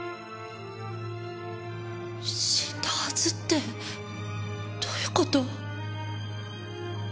死んだはずってどういう事？